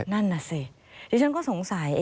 นั่นน่ะสิดิฉันก็สงสัย